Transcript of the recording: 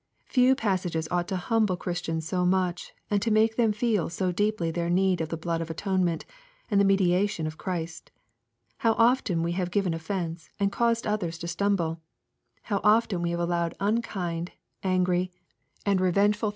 Few passages ought to humble Christians so much, and to make them feel so deeply their need of the blood of afonement, and the mediation of Chcist. How often we have given offence, and caused others to stumble 1 How often we have allowed unkind, and angry, and revengeful 224 EXPOSITORY THOUGHTS.